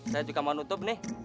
saya juga mau nutup nih